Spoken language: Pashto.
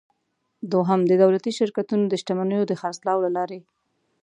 دوهم: د دولتي شرکتونو د شتمنیو د خرڅلاو له لارې.